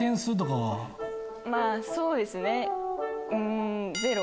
まぁそうですね。